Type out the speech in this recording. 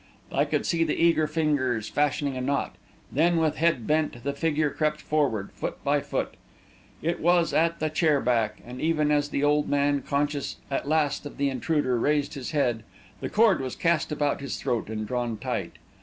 I could see the eager fingers fashioning a knot; then, with head bent, the figure crept forward, foot by foot; it was at the chair back, and even as the old man, conscious at last of the intruder, raised his head, the cord was cast about his throat and drawn tight.